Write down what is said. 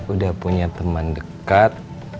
udah punya temen dekat